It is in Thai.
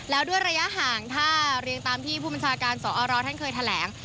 แล้วด้วยระยะห่างถ้าเรียงตามที่ผู้บัญชาการสอรท่านเคยแถลง